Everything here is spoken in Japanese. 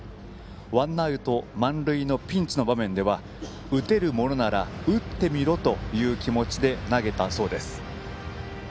ワンアウト満塁のピンチの場面は打てるものなら打ってみろという気持ちで投げたそうです。